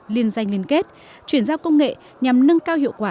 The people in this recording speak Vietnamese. liên doanh liên kết chuyển giao công nghệ nhằm nâng cao hiệu quả